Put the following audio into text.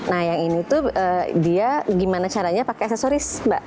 nah yang ini tuh dia gimana caranya pakai aksesoris mbak